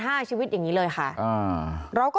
เมื่อวานแบงค์อยู่ไหนเมื่อวาน